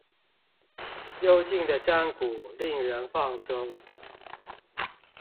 幽靜的山谷令人放鬆